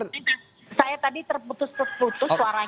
tidak saya tadi terputus putus suaranya